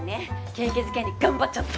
景気づけに頑張っちゃった。